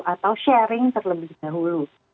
atau sharing terlebih dahulu